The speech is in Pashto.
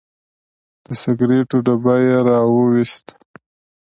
د سګریټو ډبی یې راوویست.